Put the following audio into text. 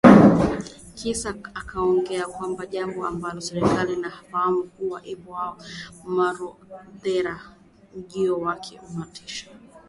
Kisha akaongeza kwamba jambo ambalo serikali hailifahamu ni kuwa hapa Marondera ujio wake unatosha